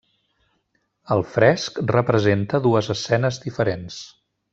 El fresc representa dues escenes diferents.